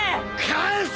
返せ！